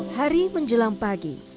hari menjelang pagi